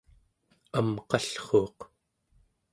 amqallruuq